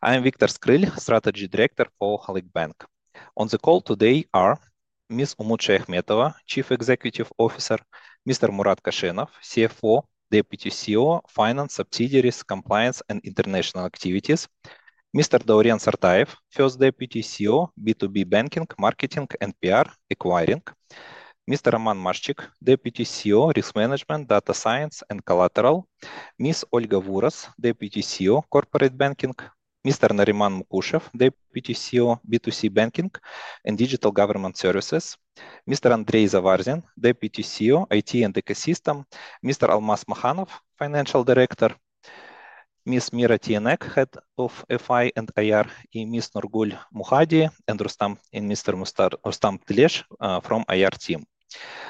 I'm Viktor Skryl, Strategy Director for Halyk Bank. On the call today are Ms. Umut Shayakhmetova, Chief Executive Officer; Mr. Murat Koshenov, CFO, Deputy CEO, Finance, Subsidiaries, Compliance, and International Activities; Mr. Dauren Sartayev, First Deputy CEO, B2B Banking, Marketing, and PR, Acquiring; Mr. Roman Maszczyk, Deputy CEO, Risk Management, Data Science, and Collateral; Ms. Olga Vuros, Deputy CEO, Corporate Banking; Mr. Nariman Mukushev, Deputy CEO, B2C Banking and Digital Government Services; Mr. Andrey Zavarzin, Deputy CEO, IT and Ecosystem; Mr. Almas Makhanov, Financial Director; Ms. Mira Tiyanak, Head of FI and IR; Ms. Nurgul Mukhadi; and Mr. Rustam Telish from IR team.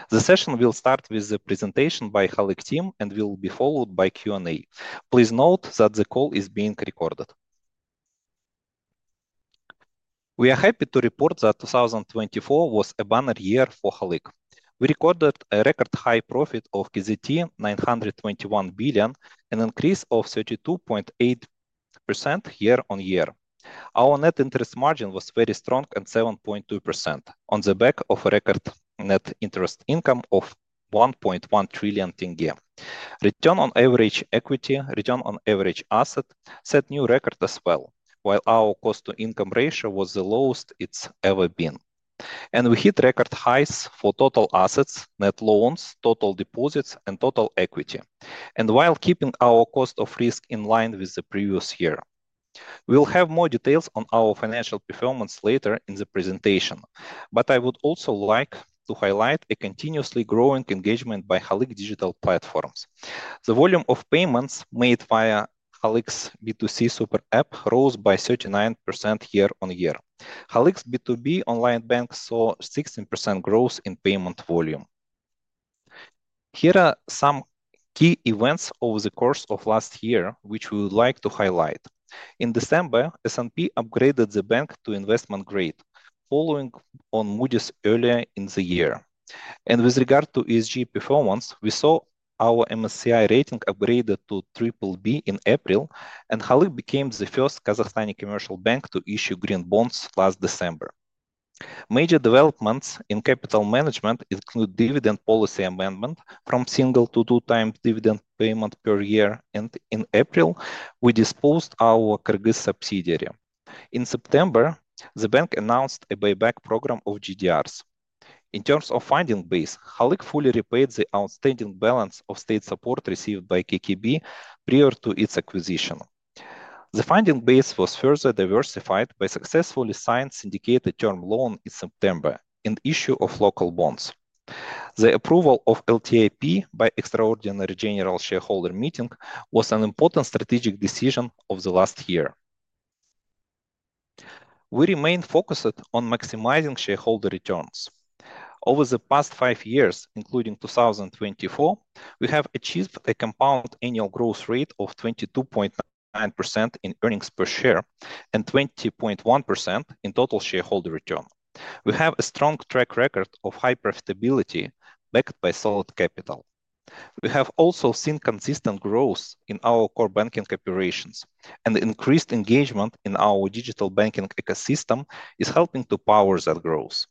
The session will start with the presentation by Halyk team and will be followed by Q&A. Please note that the call is being recorded. We are happy to report that 2024 was a banner year for Halyk. We recorded a record high profit of KZT 921 billion, an increase of 32.8% year-on-year. Our net interest margin was very strong at 7.2%, on the back of a record net interest income of KZT 1.1 trillion. Return on average equity, return on average assets set new records as well, while our cost to income ratio was the lowest it has ever been. We hit record highs for total assets, net loans, total deposits, and total equity, while keeping our cost of risk in line with the previous year. We will have more details on our financial performance later in the presentation, but I would also like to highlight a continuously growing engagement by Halyk Digital Platforms. The volume of payments made via Halyk's B2C Super-App rose by 39% year-on-year. Halyk's B2B Onlinebank saw 16% growth in payment volume. Here are some key events over the course of last year, which we would like to highlight. In December, S&P upgraded the bank to investment grade, following on Moody's earlier in the year. With regard to ESG performance, we saw our MSCI rating upgraded to BBB in April, and Halyk became the first Kazakhstani commercial bank to issue green bonds last December. Major developments in capital management include dividend policy amendment from single to two-time dividend payment per year, and in April, we disposed of our Kyrgyz subsidiary. In September, the bank announced a buyback program of GDRs. In terms of funding base, Halyk fully repaid the outstanding balance of state support received by KKB prior to its acquisition. The funding base was further diversified by successfully signing Syndicated Term Loan in September and issuing local bonds. The approval of LTIP by the Extraordinary General Shareholder Meeting was an important strategic decision of the last year. We remain focused on maximizing shareholder returns. Over the past five years, including 2024, we have achieved a compound annual growth rate of 22.9% in earnings per share and 20.1% in total shareholder return. We have a strong track record of high profitability backed by solid capital. We have also seen consistent growth in our core banking operations, and increased engagement in our digital banking ecosystem is helping to power that growth.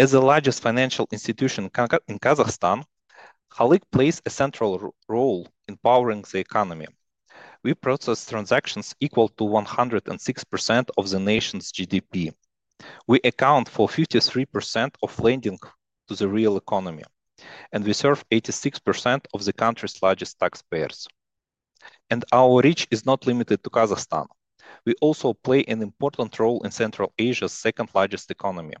As the largest financial institution in Kazakhstan, Halyk plays a central role in powering the economy. We process transactions equal to 106% of the nation's GDP. We account for 53% of lending to the real economy, and we serve 86% of the country's largest taxpayers. Our reach is not limited to Kazakhstan. We also play an important role in Central Asia's second-largest economy.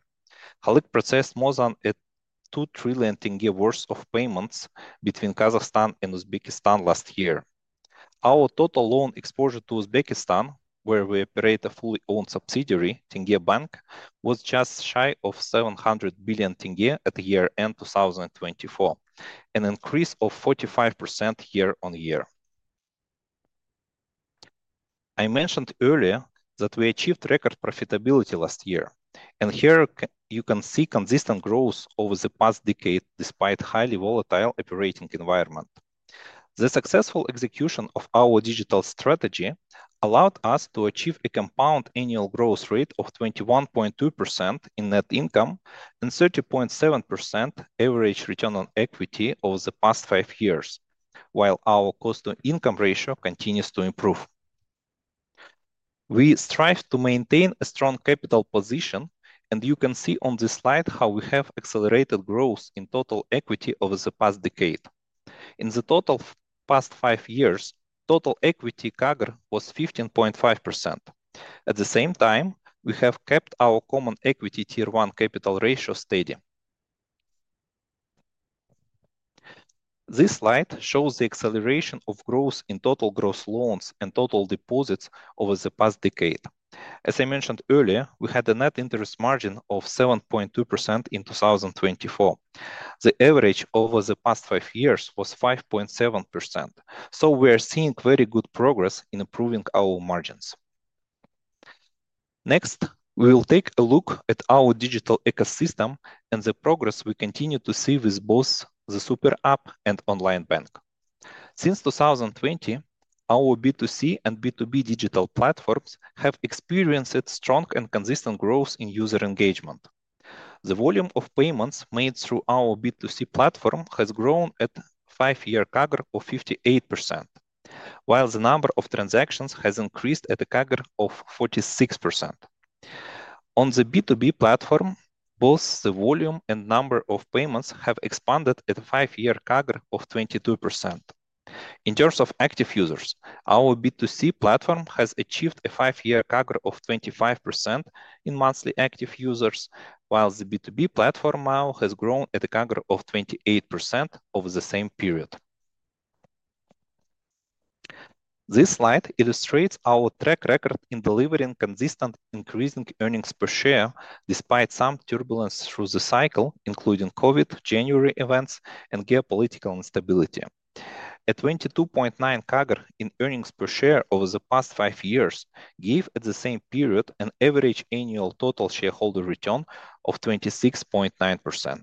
Halyk processed more than KZT 2 trillion worth of payments between Kazakhstan and Uzbekistan last year. Our total loan exposure to Uzbekistan, where we operate a fully-owned subsidiary, Tenge Bank, was just shy of KZT 700 billion at the year-end 2024, an increase of 45% year-on-year. I mentioned earlier that we achieved record profitability last year, and here you can see consistent growth over the past decade despite a highly volatile operating environment. The successful execution of our digital strategy allowed us to achieve a compound annual growth rate of 21.2% in net income and 30.7% average return on equity over the past five years, while our cost to income ratio continues to improve. We strive to maintain a strong capital position, and you can see on this slide how we have accelerated growth in total equity over the past decade. In the total past five years, total equity CAGR was 15.5%. At the same time, we have kept our common equity tier-one capital ratio steady. This slide shows the acceleration of growth in total gross loans and total deposits over the past decade. As I mentioned earlier, we had a net interest margin of 7.2% in 2024. The average over the past five years was 5.7%. We are seeing very good progress in improving our margins. Next, we will take a look at our digital ecosystem and the progress we continue to see with both the Super App and Onlinebank. Since 2020, our B2C and B2B digital platforms have experienced strong and consistent growth in user engagement. The volume of payments made through our B2C platform has grown at a five-year CAGR of 58%, while the number of transactions has increased at a CAGR of 46%. On the B2B platform, both the volume and number of payments have expanded at a five-year CAGR of 22%. In terms of active users, our B2C platform has achieved a five-year CAGR of 25% in Monthly Active Users, while the B2B platform now has grown at a CAGR of 28% over the same period. This slide illustrates our track record in delivering consistent increasing earnings per share despite some turbulence through the cycle, including COVID, January events, and geopolitical instability. A 22.9% CAGR in earnings per share over the past five years gave, at the same period, an average annual total shareholder return of 26.9%.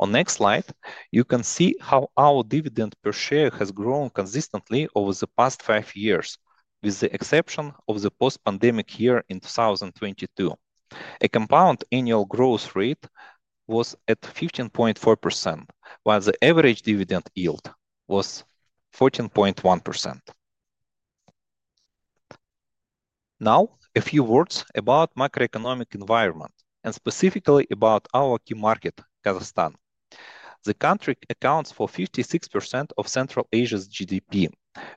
On the next slide, you can see how our dividend per share has grown consistently over the past five years, with the exception of the post-pandemic year in 2022. A compound annual growth rate was at 15.4%, while the average dividend yield was 14.1%. Now, a few words about the macroeconomic environment, and specifically about our key market, Kazakhstan. The country accounts for 56% of Central Asia's GDP.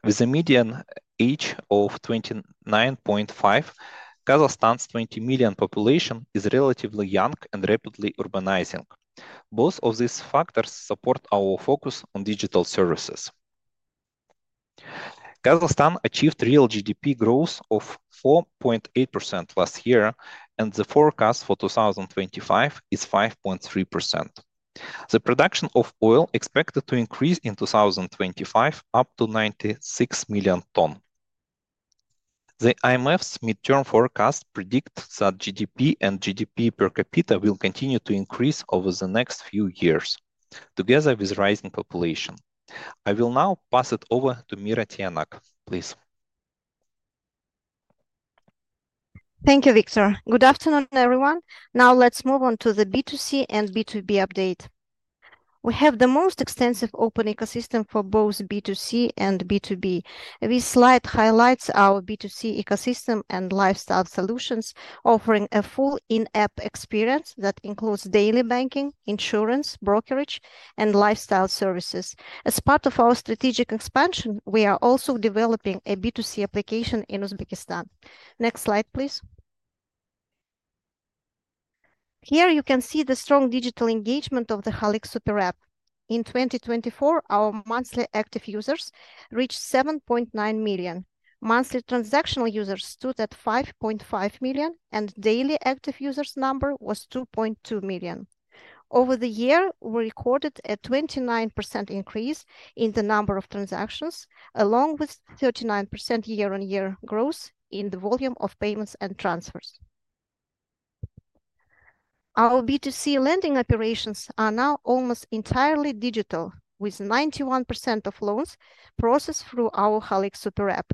With a median age of 29.5, Kazakhstan's 20 million population is relatively young and rapidly urbanizing. Both of these factors support our focus on digital services. Kazakhstan achieved real GDP growth of 4.8% last year, and the forecast for 2025 is 5.3%. The production of oil is expected to increase in 2025 up to 96 million tons. The IMF's midterm forecast predicts that GDP and GDP per capita will continue to increase over the next few years, together with rising population. I will now pass it over to Mira Tiyanak. Please. Thank you, Viktor. Good afternoon, everyone. Now let's move on to the B2C and B2B update. We have the most extensive open ecosystem for both B2C and B2B. This slide highlights our B2C ecosystem and lifestyle solutions, offering a full in-app experience that includes daily banking, insurance, brokerage, and lifestyle services. As part of our strategic expansion, we are also developing a B2C application in Uzbekistan. Next slide, please. Here you can see the strong digital engagement of the Halyk Super-App. In 2024, our monthly active users reached 7.9 million. Monthly transactional users stood at 5.5 million, and the daily active users number was 2.2 million. Over the year, we recorded a 29% increase in the number of transactions, along with 39% year-on-year growth in the volume of payments and transfers. Our B2C lending operations are now almost entirely digital, with 91% of loans processed through our Halyk Super-App.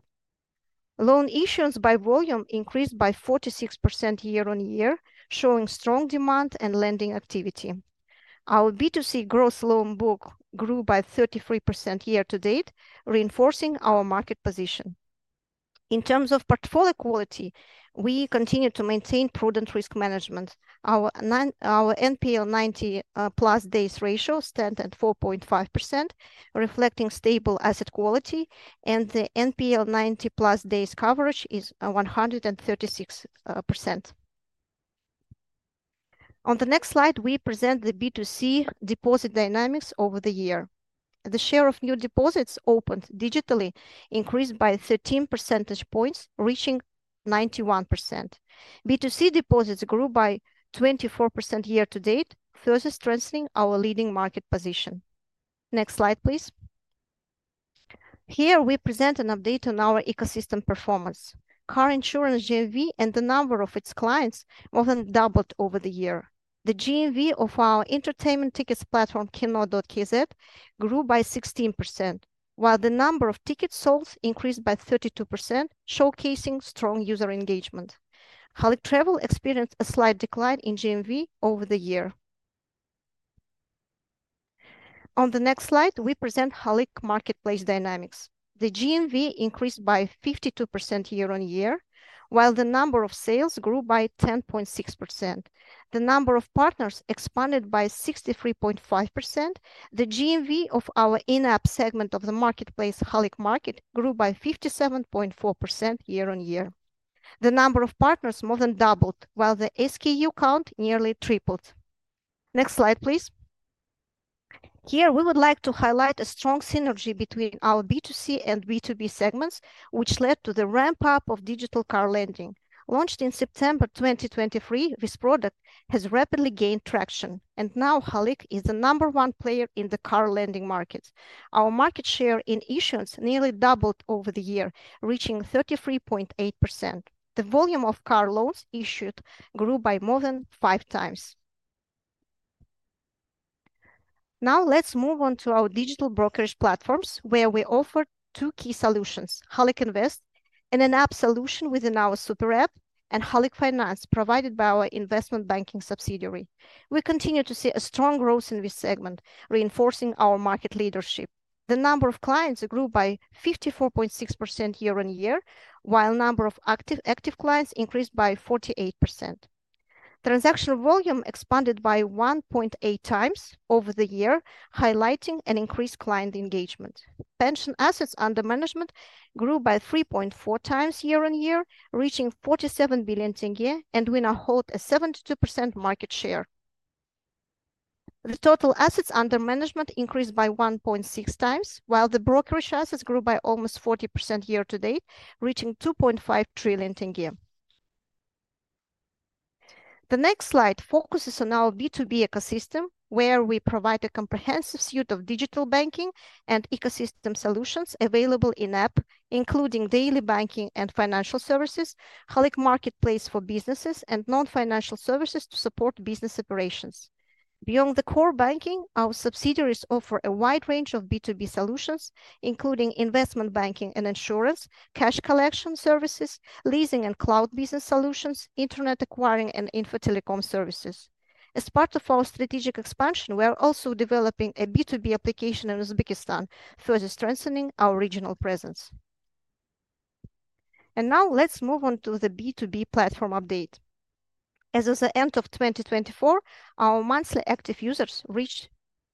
Loan issuance by volume increased by 46% year-on-year, showing strong demand and lending activity. Our B2C gross loan book grew by 33% year-to-date, reinforcing our market position. In terms of portfolio quality, we continue to maintain prudent risk management. Our NPL 90+ days ratio stands at 4.5%, reflecting stable asset quality, and the NPL 90+ days coverage is 136%. On the next slide, we present the B2C deposit dynamics over the year. The share of new deposits opened digitally increased by 13 percentage points, reaching 91%. B2C deposits grew by 24% year-to-date, further strengthening our leading market position. Next slide, please. Here we present an update on our ecosystem performance. Car insurance GMV and the number of its clients more than doubled over the year. The GMV of our entertainment tickets platform, Kino.kz, grew by 16%, while the number of tickets sold increased by 32%, showcasing strong user engagement. Halyk Travel experienced a slight decline in GMV over the year. On the next slide, we present Halyk Marketplace dynamics. The GMV increased by 52% year-on-year, while the number of sales grew by 10.6%. The number of partners expanded by 63.5%. The GMV of our in-app segment of the marketplace, Halyk Market, grew by 57.4% year-on-year. The number of partners more than doubled, while the SKU count nearly tripled. Next slide, please. Here we would like to highlight a strong synergy between our B2C and B2B segments, which led to the ramp-up of digital car lending. Launched in September 2023, this product has rapidly gained traction, and now Halyk is the number one player in the car lending market. Our market share in issuance nearly doubled over the year, reaching 33.8%. The volume of car loans issued grew by more than five times. Now let's move on to our digital brokerage platforms, where we offer two key solutions: Halyk Invest and an app solution within our Super-App, and Halyk Finance, provided by our investment banking subsidiary. We continue to see a strong growth in this segment, reinforcing our market leadership. The number of clients grew by 54.6% year-on-year, while the number of active clients increased by 48%. Transaction volume expanded by 1.8 times over the year, highlighting an increased client engagement. Pension assets under management grew by 3.4 times year-on-year, reaching KZT 47 billion, and we now hold a 72% market share. The total assets under management increased by 1.6 times, while the brokerage assets grew by almost 40% year-to-date, reaching KZT 2.5 trillion. The next slide focuses on our B2B ecosystem, where we provide a comprehensive suite of digital banking and ecosystem solutions available in-app, including daily banking and financial services, Halyk Marketplace for businesses, and non-financial services to support business operations. Beyond the core banking, our subsidiaries offer a wide range of B2B solutions, including investment banking and insurance, cash collection services, leasing and cloud business solutions, internet acquiring, and infotelecom services. As part of our strategic expansion, we are also developing a B2B application in Uzbekistan, further strengthening our regional presence. Now let's move on to the B2B platform update. As of the end of 2024, our monthly active users reached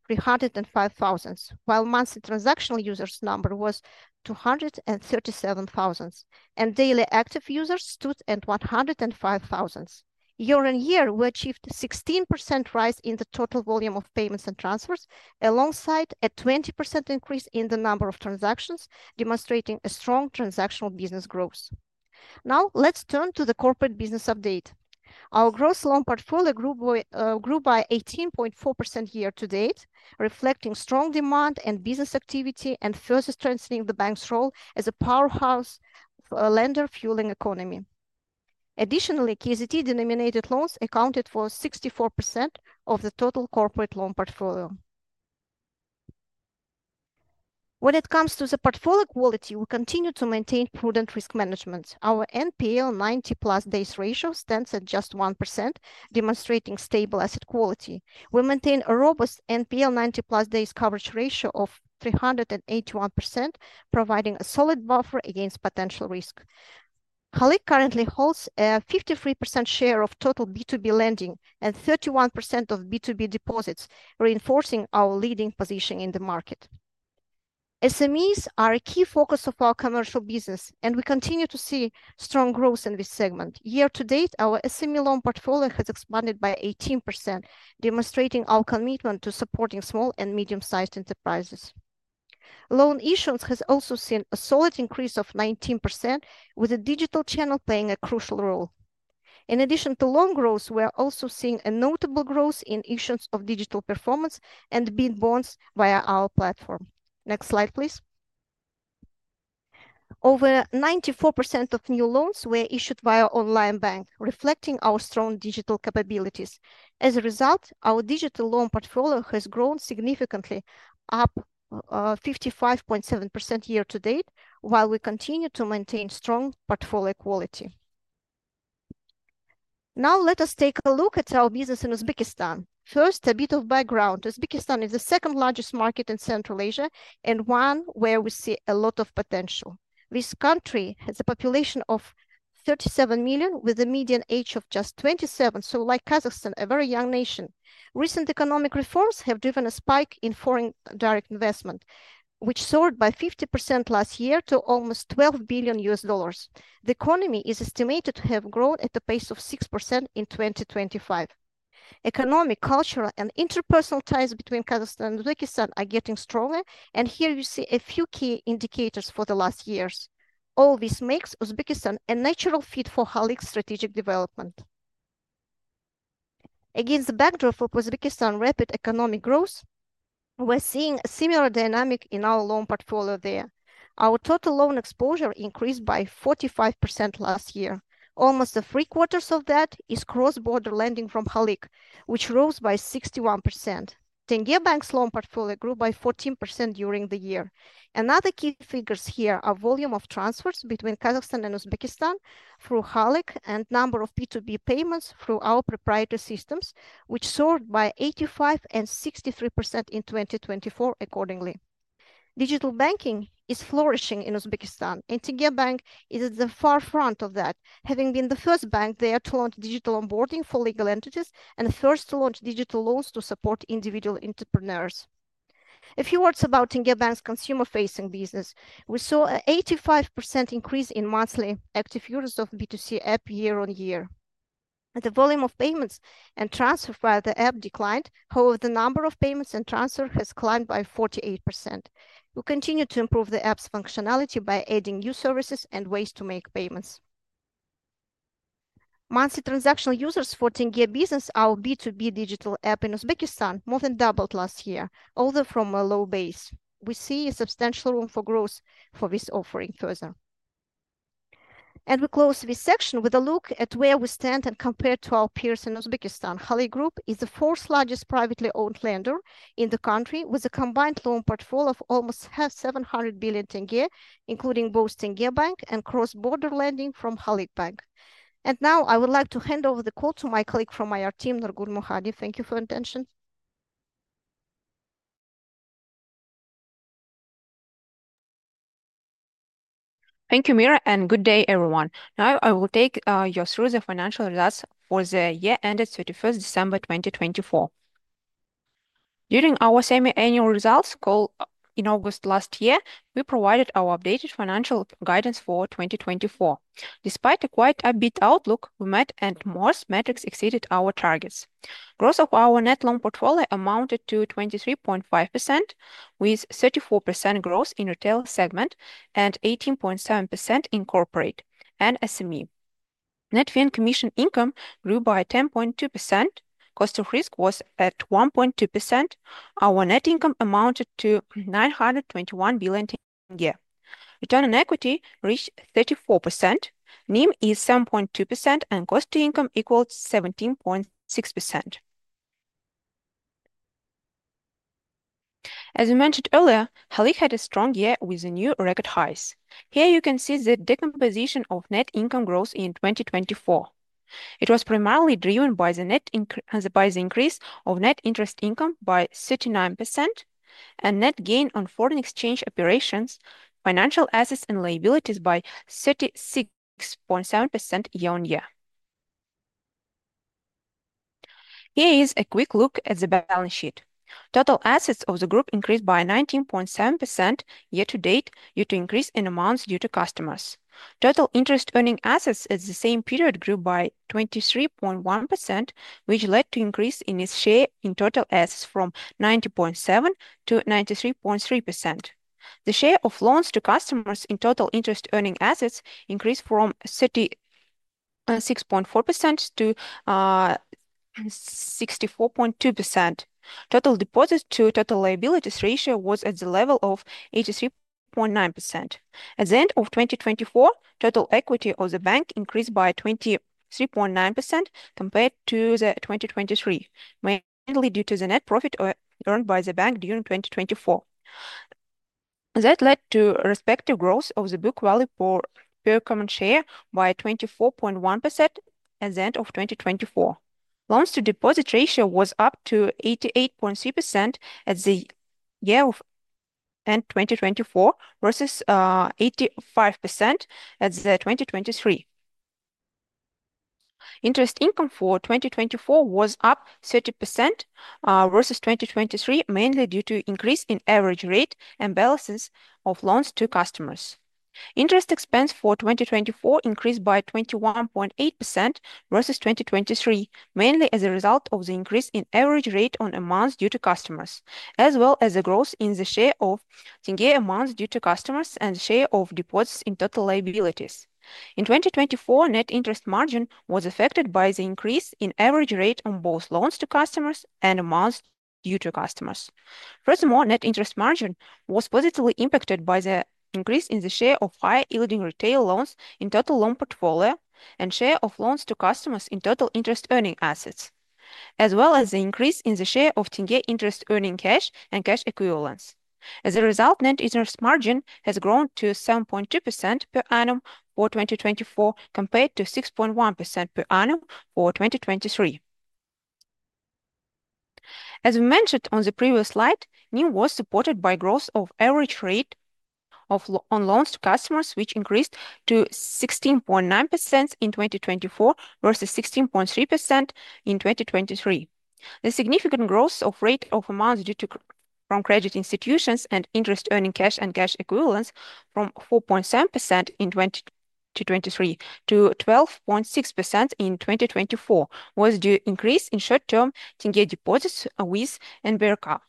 305,000, while monthly transactional users number was 237,000, and Daily Active Users stood at 105,000. Year-on-year, we achieved a 16% rise in the total volume of payments and transfers, alongside a 20% increase in the number of transactions, demonstrating a strong transactional business growth. Now let's turn to the corporate business update. Our gross loan portfolio grew by 18.4% year-to-date, reflecting strong demand and business activity, and further strengthening the bank's role as a powerhouse lender fueling economy. Additionally, KZT-denominated loans accounted for 64% of the total corporate loan portfolio. When it comes to the portfolio quality, we continue to maintain prudent risk management. Our NPL 90+ days ratio stands at just 1%, demonstrating stable asset quality. We maintain a robust NPL 90+ days coverage ratio of 381%, providing a solid buffer against potential risk. Halyk currently holds a 53% share of total B2B lending and 31% of B2B deposits, reinforcing our leading position in the market. SMEs are a key focus of our commercial business, and we continue to see strong growth in this segment. Year-to-date, our SME loan portfolio has expanded by 18%, demonstrating our commitment to supporting small and medium-sized enterprises. Loan issuance has also seen a solid increase of 19%, with the digital channel playing a crucial role. In addition to loan growth, we are also seeing a notable growth in issuance of digital performance and bid bonds via our platform. Next slide, please. Over 94% of new loans were issued via Onlinebank, reflecting our strong digital capabilities. As a result, our digital loan portfolio has grown significantly, up 55.7% year-to-date, while we continue to maintain strong portfolio quality. Now let us take a look at our business in Uzbekistan. First, a bit of background. Uzbekistan is the second largest market in Central Asia and one where we see a lot of potential. This country has a population of 37 million, with a median age of just 27, so like Kazakhstan, a very young nation. Recent economic reforms have driven a spike in foreign direct investment, which soared by 50% last year to almost $12 billion. The economy is estimated to have grown at a pace of 6% in 2025. Economic, cultural, and interpersonal ties between Kazakhstan and Uzbekistan are getting stronger, and here you see a few key indicators for the last years. All this makes Uzbekistan a natural fit for Halyk's strategic development. Against the backdrop of Uzbekistan's rapid economic growth, we're seeing a similar dynamic in our loan portfolio there. Our total loan exposure increased by 45% last year. Almost three quarters of that is cross-border lending from Halyk, which rose by 61%. Tenge Bank's loan portfolio grew by 14% during the year. Another key figures here are volume of transfers between Kazakhstan and Uzbekistan through Halyk and number of B2B payments through our proprietary systems, which soared by 85% and 63% in 2024 accordingly. Digital banking is flourishing in Uzbekistan, and Tenge Bank is at the far front of that, having been the first bank there to launch digital onboarding for legal entities and first to launch digital loans to support individual entrepreneurs. A few words about Tenge Bank's consumer-facing business. We saw an 85% increase in monthly active users of B2C app year-on-year. The volume of payments and transfers via the app declined, however, the number of payments and transfers has climbed by 48%. We continue to improve the app's functionality by adding new services and ways to make payments. Monthly transactional users for Tenge Business, our B2B digital app in Uzbekistan, more than doubled last year, although from a low base. We see substantial room for growth for this offering further. We close this section with a look at where we stand and compare to our peers in Uzbekistan. Halyk Group is the fourth largest privately owned lender in the country, with a combined loan portfolio of almost KZT 700 billion, including both Tenge Bank and cross-border lending from Halyk Bank. Now I would like to hand over the call to my colleague from the IR team, Nurgul Mukhadi. Thank you for your attention. Thank you, Mira, and good day, everyone. Now I will take you through the financial results for the year ended 31st December 2024. During our semi-annual results call in August last year, we provided our updated financial guidance for 2024. Despite a quite upbeat outlook, we met and most metrics exceeded our targets. Growth of our net loan portfolio amounted to 23.5%, with 34% growth in retail segment and 18.7% in corporate and SME. Net fee and commission income grew by 10.2%. Cost of risk was at 1.2%. Our net income amounted to KZT 921 billion. Return on equity reached 34%. NIM is 7.2%, and cost to income equals 17.6%. As we mentioned earlier, Halyk had a strong year with the new record highs. Here you can see the decomposition of net income growth in 2024. It was primarily driven by the net increase of net interest income by 39% and net gain on foreign exchange operations, financial assets, and liabilities by 36.7% year-on-year. Here is a quick look at the balance sheet. Total assets of the group increased by 19.7% year-to-date due to increase in amounts due to customers. Total interest earning assets at the same period grew by 23.1%, which led to an increase in its share in total assets from 90.7% to 93.3%. The share of loans to customers in total interest earning assets increased from 36.4% to 64.2%. Total deposits to total liabilities ratio was at the level of 83.9%. At the end of 2024, total equity of the bank increased by 23.9% compared to 2023, mainly due to the net profit earned by the bank during 2024. That led to respective growth of the book value per common share by 24.1% at the end of 2024. Loans-to-deposit ratio was up to 88.3% at the end of 2024 versus 85% at 2023. Interest income for 2024 was up 30% versus 2023, mainly due to an increase in average rate and balances of loans to customers. Interest expense for 2024 increased by 21.8% versus 2023, mainly as a result of the increase in average rate on amounts due to customers, as well as the growth in the share of KZT amounts due to customers and the share of deposits in total liabilities. In 2024, net interest margin was affected by the increase in average rate on both loans to customers and amounts due to customers. Furthermore, net interest margin was positively impacted by the increase in the share of higher yielding retail loans in total loan portfolio and share of loans to customers in total interest earning assets, as well as the increase in the share of KZT interest earning cash and cash equivalents. As a result, net interest margin has grown to 7.2% per annum for 2024 compared to 6.1% per annum for 2023. As we mentioned on the previous slide, NIM was supported by growth of average rate on loans to customers, which increased to 16.9% in 2024 versus 16.3% in 2023. The significant growth of rate of amounts due to from credit institutions and interest earning cash and cash equivalents from 4.7% in 2023 to 12.6% in 2024 was due to an increase in short-term KZT deposits with NBRK.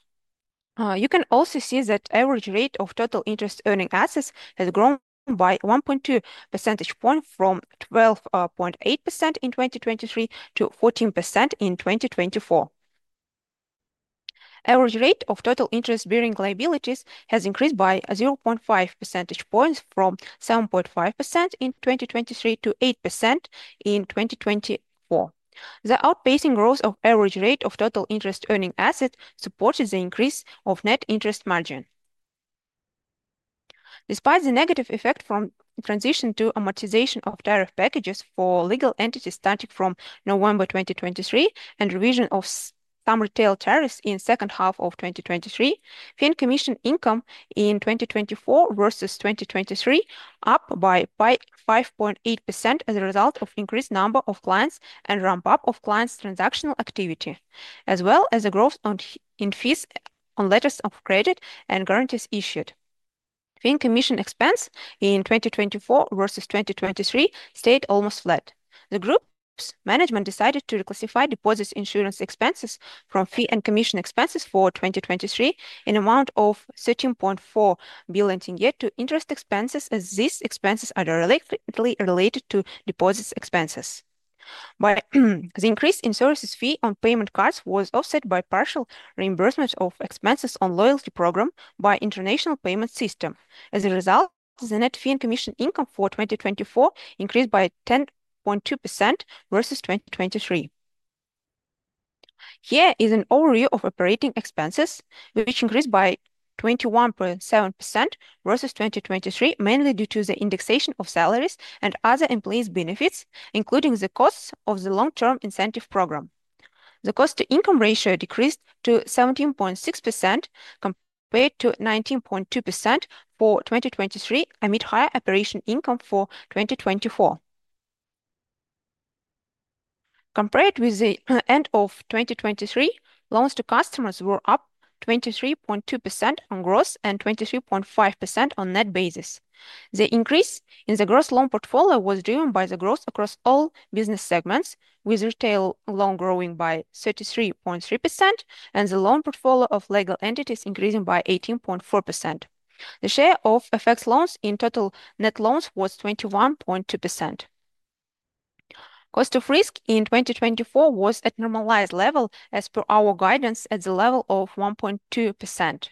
You can also see that the average rate of total interest earning assets has grown by 1.2 percentage points from 12.8% in 2023 to 14% in 2024. Average rate of total interest bearing liabilities has increased by 0.5 percentage points from 7.5% in 2023 to 8% in 2024. The outpacing growth of the average rate of total interest earning assets supported the increase of net interest margin. Despite the negative effect from the transition to amortization of tariff packages for legal entities starting from November 2023 and the revision of some retail tariffs in the second half of 2023, fin commission income in 2024 versus 2023 was up by 5.8% as a result of the increased number of clients and ramp-up of clients' transactional activity, as well as the growth in fees on letters of credit and guarantees issued. Fin commission expense in 2024 versus 2023 stayed almost flat. The group's management decided to reclassify deposits insurance expenses from fee and commission expenses for 2023 in the amount of KZT 13.4 billion to interest expenses, as these expenses are directly related to deposits expenses. The increase in services fee on payment cards was offset by partial reimbursement of expenses on the loyalty program by the international payment system. As a result, the net fee and commission income for 2024 increased by 10.2% versus 2023. Here is an overview of operating expenses, which increased by 21.7% versus 2023, mainly due to the indexation of salaries and other employees' benefits, including the costs of the long-term incentive program. The cost to income ratio decreased to 17.6% compared to 19.2% for 2023, amid higher operating income for 2024. Compared with the end of 2023, loans to customers were up 23.2% on gross and 23.5% on net basis. The increase in the gross loan portfolio was driven by the growth across all business segments, with retail loans growing by 33.3% and the loan portfolio of legal entities increasing by 18.4%. The share of FX loans in total net loans was 21.2%. Cost of risk in 2024 was at a normalized level as per our guidance at the level of 1.2%.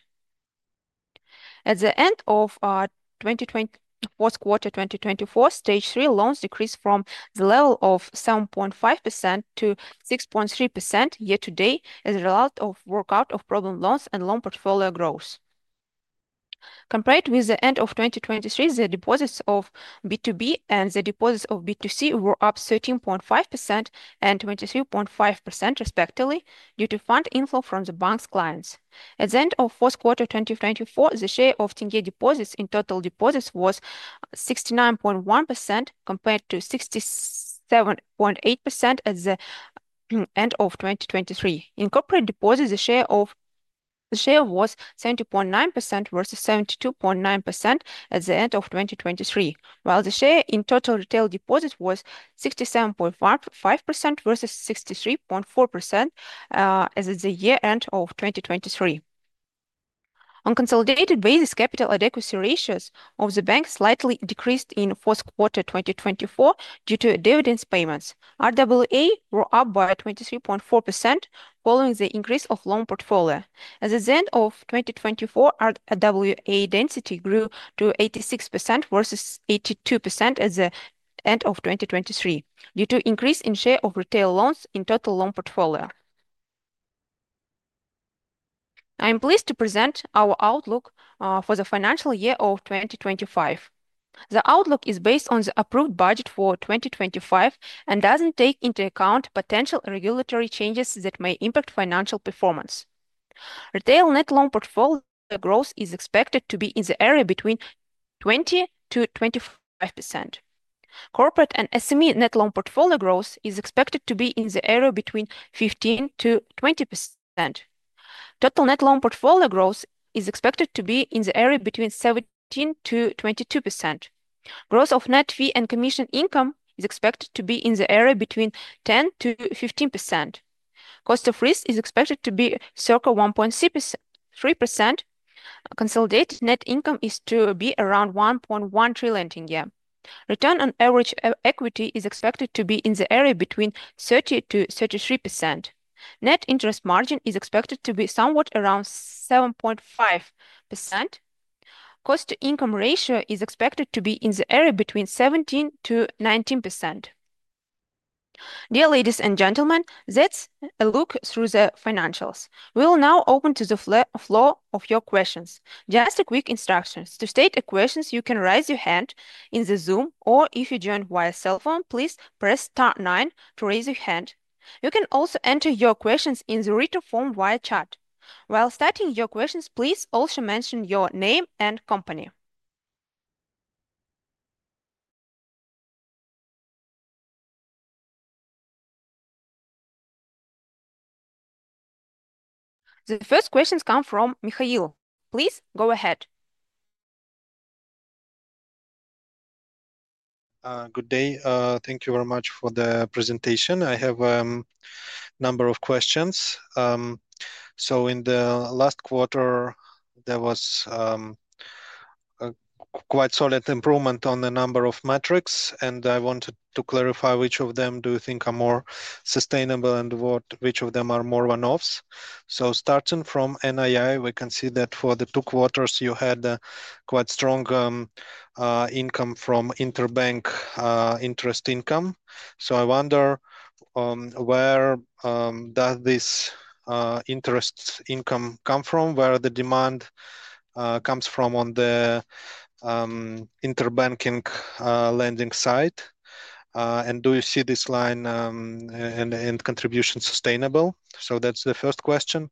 At the end of the fourth quarter of 2024, stage three loans decreased from the level of 7.5% to 6.3% year-to-date as a result of the workout of problem loans and loan portfolio growth. Compared with the end of 2023, the deposits of B2B and the deposits of B2C were up 13.5% and 23.5% respectively due to fund inflow from the bank's clients. At the end of the fourth quarter of 2024, the share of Tenge deposits in total deposits was 69.1% compared to 67.8% at the end of 2023. In corporate deposits, the share was 70.9% versus 72.9% at the end of 2023, while the share in total retail deposits was 67.5% versus 63.4% at the year-end of 2023. On consolidated basis, capital adequacy ratios of the bank slightly decreased in the fourth quarter of 2024 due to dividend payments. RWA were up by 23.4% following the increase of the loan portfolio. At the end of 2024, RWA density grew to 86% versus 82% at the end of 2023 due to an increase in the share of retail loans in total loan portfolio. I am pleased to present our outlook for the financial year of 2025. The outlook is based on the approved budget for 2025 and doesn't take into account potential regulatory changes that may impact financial performance. Retail net loan portfolio growth is expected to be in the area between 20%-25%. Corporate and SME net loan portfolio growth is expected to be in the area between 15%-20%. Total net loan portfolio growth is expected to be in the area between 17%-22%. Growth of net fee and commission income is expected to be in the area between 10%-15%. Cost of risk is expected to be circa 1.3%. Consolidated net income is to be around KZT 1.1 trillion. Return on average equity is expected to be in the area between 30%-33%. Net interest margin is expected to be somewhat around 7.5%. Cost to income ratio is expected to be in the area between 17%-19%. Dear ladies and gentlemen, that's a look through the financials. We will now open to the floor of your questions. Just a quick instruction. To state a question, you can raise your hand in the Zoom, or if you join via cell phone, please press star nine to raise your hand. You can also enter your questions in the return form via chat. While stating your questions, please also mention your name and company. The first questions come from Mikhail. Please go ahead. Good day. Thank you very much for the presentation. I have a number of questions. In the last quarter, there was quite a solid improvement on the number of metrics, and I wanted to clarify which of them do you think are more sustainable and which of them are more one-offs. Starting from NII, we can see that for the two quarters, you had quite strong income from interbank interest income. I wonder, where does this interest income come from? Where does the demand come from on the interbanking lending side? Do you see this line and contribution sustainable? That is the first question.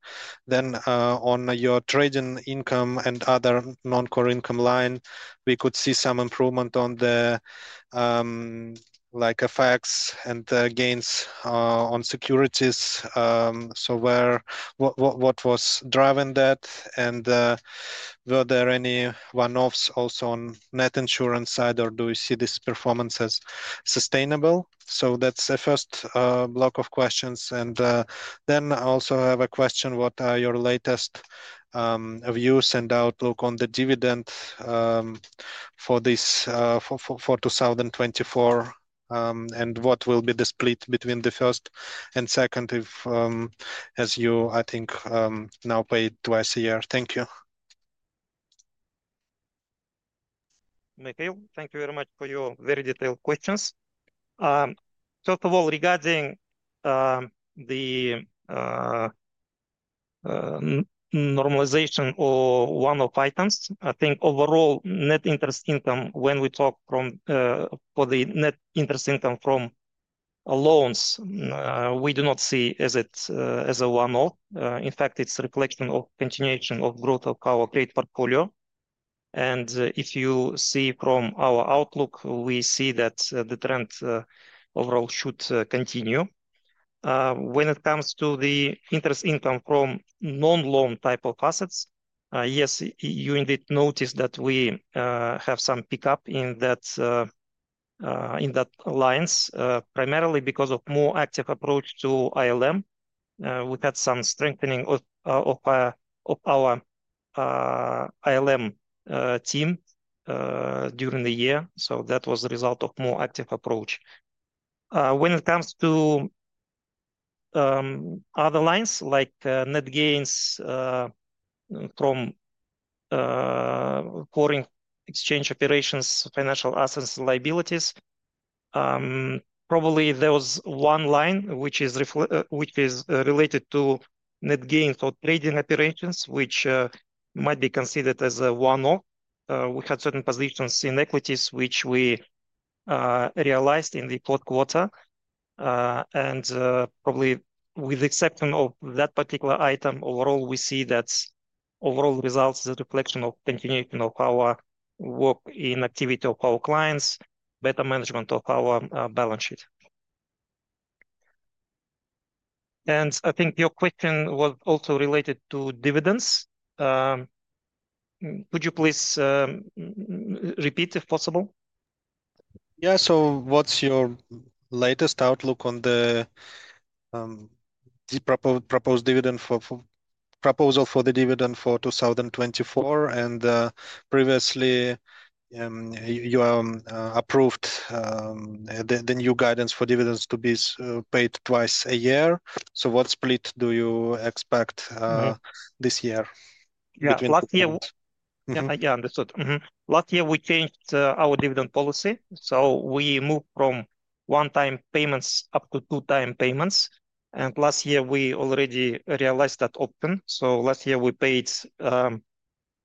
On your trading income and other non-core income line, we could see some improvement on the FX and gains on securities. What was driving that? Were there any one-offs also on the net insurance side, or do you see these performances sustainable? That is the first block of questions. I also have a question. What are your latest views and outlook on the dividend for 2024? What will be the split between the first and second if, as you, I think, now pay twice a year? Thank you. Mikhail, thank you very much for your very detailed questions. First of all, regarding the normalization or one-off items, I think overall net interest income, when we talk for the net interest income from loans, we do not see it as a one-off. In fact, it's a reflection of the continuation of the growth of our trade portfolio. If you see from our outlook, we see that the trend overall should continue. When it comes to the interest income from non-loan type of assets, yes, you indeed notice that we have some pickup in that lines, primarily because of a more active approach to ALM. We had some strengthening of our ALM team during the year. That was the result of a more active approach. When it comes to other lines, like net gains from foreign exchange operations, financial assets, and liabilities, probably there was one line which is related to net gains or trading operations, which might be considered as a one-off. We had certain positions in equities, which we realized in the fourth quarter. Probably with the exception of that particular item, overall, we see that overall results as a reflection of the continuation of our work in the activity of our clients, better management of our balance sheet. I think your question was also related to dividends. Could you please repeat if possible? Yeah. What is your latest outlook on the proposal for the dividend for 2024? Previously, you approved the new guidance for dividends to be paid twice a year. What split do you expect this year? Yeah. Last year, yeah, understood. Last year, we changed our dividend policy. We moved from one-time payments up to two-time payments. Last year, we already realized that open. Last year, we paid on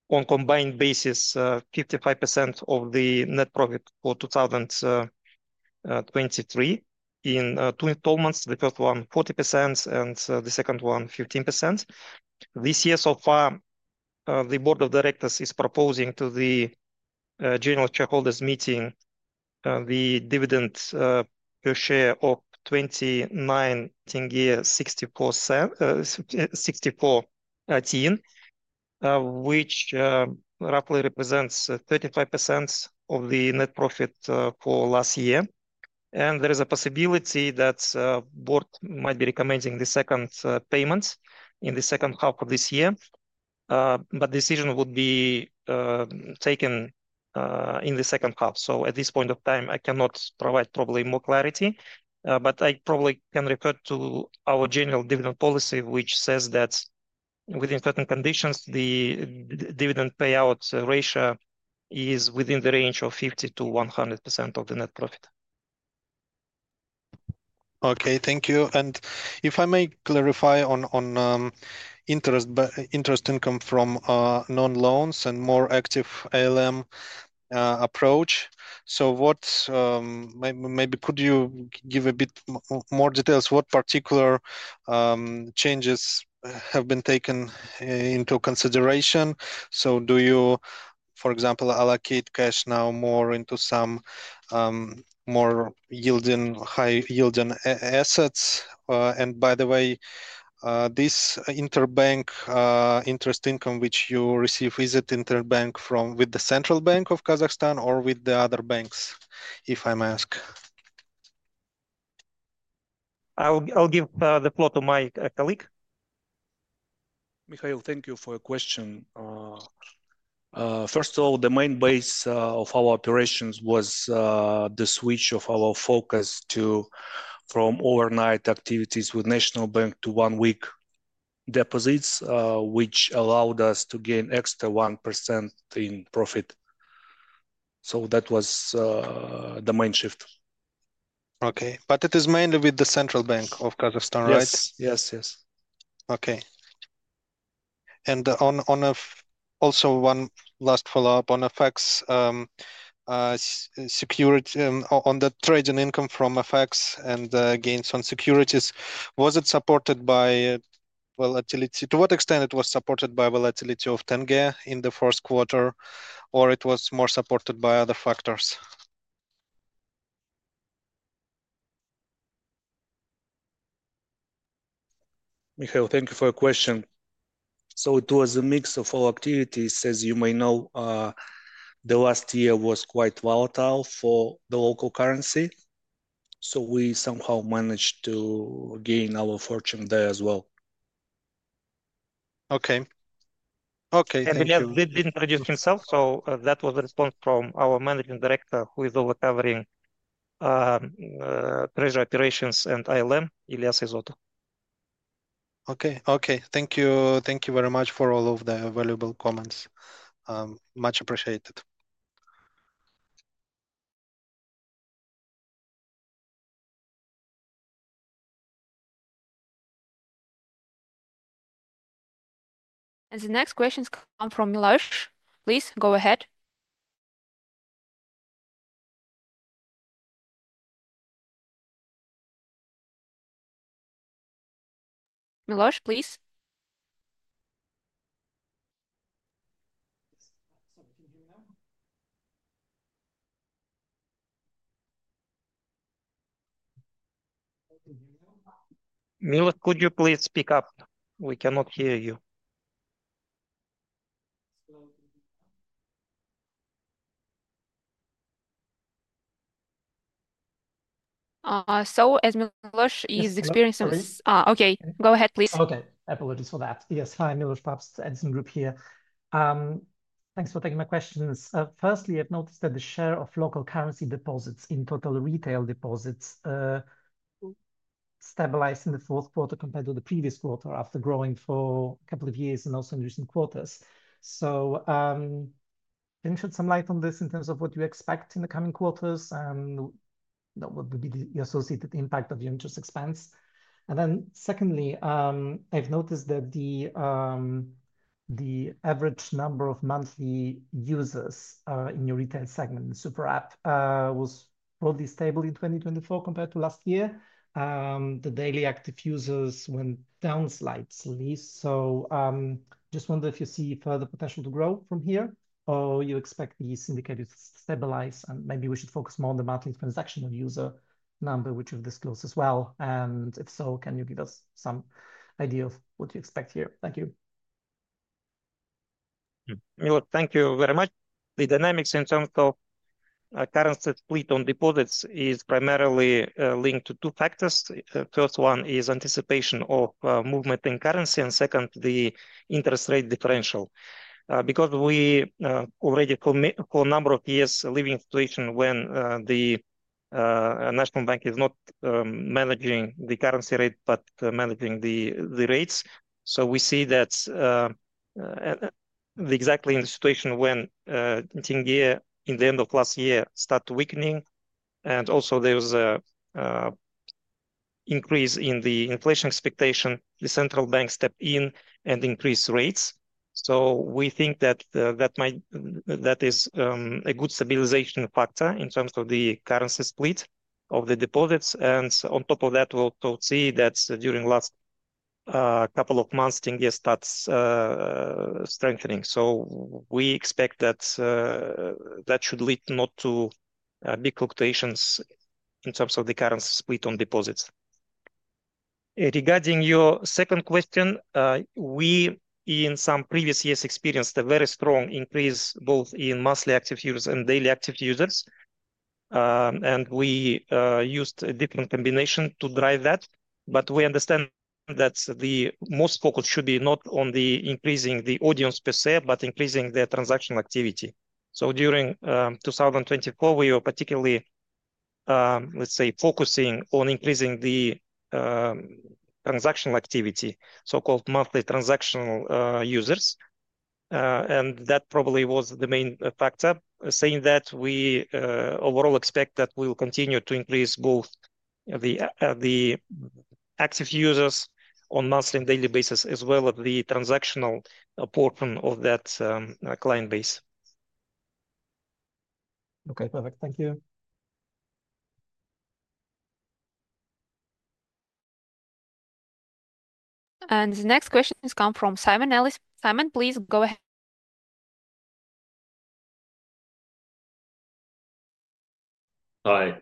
a combined basis 55% of the net profit for 2023 in two installments. The first one, 40%, and the second one, 15%. This year, so far, the board of directors is proposing to the general shareholders' meeting the dividend per share of KZT 29.64, which roughly represents 35% of the net profit for last year. There is a possibility that the board might be recommending the second payments in the second half of this year. The decision would be taken in the second half. At this point of time, I cannot provide probably more clarity. I probably can refer to our general dividend policy, which says that within certain conditions, the dividend payout ratio is within the range of 50%-100% of the net profit. Okay. Thank you. If I may clarify on interest income from non-loans and a more active ALM approach, could you give a bit more details? What particular changes have been taken into consideration? Do you, for example, allocate cash now more into some more high-yielding assets? By the way, this interbank interest income which you receive, is it interbank with the Central Bank of Kazakhstan or with the other banks, if I may ask? I'll give the floor to my colleague. Mikhail, thank you for your question. First of all, the main base of our operations was the switch of our focus from overnight activities with the National Bank to one-week deposits, which allowed us to gain an extra 1% in profit. That was the main shift. Okay. It is mainly with the Central Bank of Kazakhstan, right? Yes. Yes. Yes. Okay. Also, one last follow-up on FX, on the trading income from FX and gains on securities, was it supported by volatility? To what extent was it supported by volatility of Tenge in the fourth quarter, or was it more supported by other factors? Mikhail, thank you for your question. It was a mix of all activities. As you may know, last year was quite volatile for the local currency. We somehow managed to gain our fortune there as well. Okay. Okay. He did introduce himself. That was the response from our Managing Director, who is covering treasury operations and ALM, Ilyas Izotov. Okay. Thank you. Thank you very much for all of the valuable comments. Much appreciated. The next questions come from Milosz. Please go ahead. Milosh, please. Milosz, could you please speak up? We cannot hear you. As Milosz is experiencing—okay. Go ahead, please. Okay. Apologies for that. Yes. Hi, Milosz Papst, Edison Group here. Thanks for taking my questions. Firstly, I've noticed that the share of local currency deposits in total retail deposits stabilized in the fourth quarter compared to the previous quarter after growing for a couple of years and also in recent quarters. Can you shed some light on this in terms of what you expect in the coming quarters and what would be the associated impact of your interest expense? Secondly, I've noticed that the average number of monthly users in your retail segment, the super app, was broadly stable in 2024 compared to last year. The daily active users went down slightly. I just wonder if you see further potential to grow from here or you expect these indicators to stabilize and maybe we should focus more on the monthly transactional user number, which you've disclosed as well. If so, can you give us some idea of what you expect here? Thank you. Milosz, thank you very much. The dynamics in terms of currency split on deposits is primarily linked to two factors. The first one is anticipation of movement in currency and second, the interest rate differential. Because we already for a number of years live in a situation when the National Bank is not managing the currency rate but managing the rates. We see that exactly in the situation when KZT in the end of last year started weakening and also there was an increase in the inflation expectation, the Central Bank stepped in and increased rates. We think that that is a good stabilization factor in terms of the currency split of the deposits. On top of that, we also see that during the last couple of months, KZT starts strengthening. We expect that that should lead not to big fluctuations in terms of the currency split on deposits. Regarding your second question, we in some previous years experienced a very strong increase both in monthly active users and daily active users. We used a different combination to drive that. We understand that the most focus should be not on increasing the audience per se, but increasing the transactional activity. During 2024, we were particularly, let's say, focusing on increasing the transactional activity, so-called monthly transactional users. That probably was the main factor, saying that we overall expect that we will continue to increase both the active users on a monthly and daily basis as well as the transactional portion of that client base. Okay. Perfect. Thank you. The next question has come from Simon Nellis. Simon, please go ahead. Hi.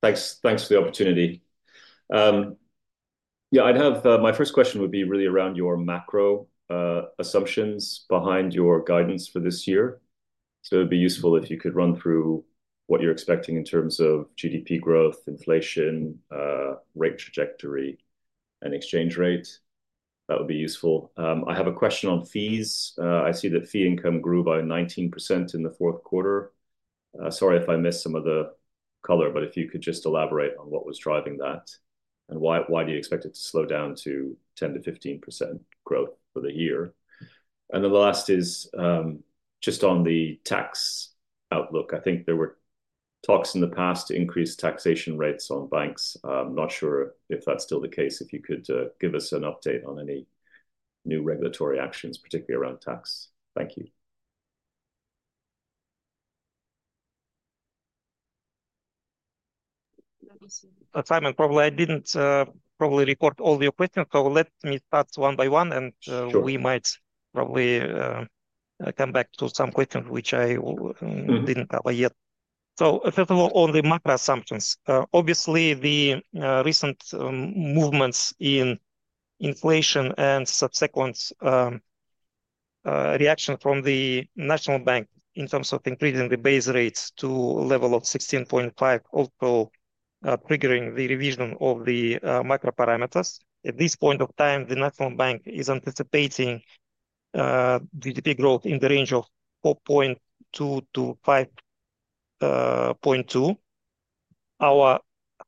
Thanks for the opportunity. Yeah, my first question would be really around your macro assumptions behind your guidance for this year. It would be useful if you could run through what you're expecting in terms of GDP growth, inflation, rate trajectory, and exchange rate. That would be useful. I have a question on fees. I see that fee income grew by 19% in the fourth quarter. Sorry if I missed some of the color, but if you could just elaborate on what was driving that and why you expect it to slow down to 10-15% growth for the year? The last is just on the tax outlook. I think there were talks in the past to increase taxation rates on banks. I'm not sure if that's still the case. If you could give us an update on any new regulatory actions, particularly around tax. Thank you. Simon, probably I did not probably record all your questions. Let me start one by one, and we might probably come back to some questions which I did not cover yet. First of all, on the macro assumptions, obviously, the recent movements in inflation and subsequent reaction from the National Bank in terms of increasing the base rates to a level of 16.5% also triggering the revision of the macro parameters. At this point of time, the National Bank is anticipating GDP growth in the range of 4.2%-5.2%. Our